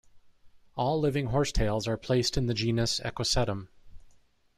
All living horsetails are placed in the genus "Equisetum".